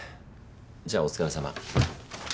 じゃあお疲れさま。